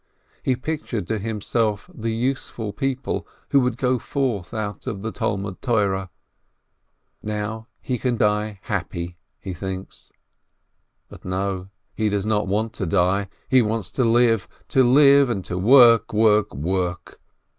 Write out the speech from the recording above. He pictured to himself the useful people who would go forth out of the Talmud Torah. Now he can die happy, he thinks. But no, he does not want to die ! He wants to live ! To live and to work, work, work